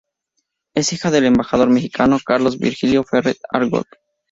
Es hija del embajador mexicano Carlos Virgilio Ferrer Argote.